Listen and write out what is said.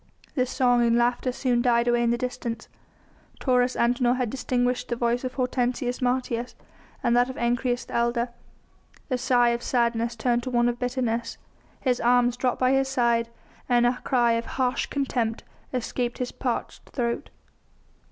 The song and laughter soon died away in the distance. Taurus Antinor had distinguished the voice of Hortensius Martius and that of Ancyrus, the elder. The sigh of sadness turned to one of bitterness, his arms dropped by his side, and a cry of harsh contempt escaped his parched? throat.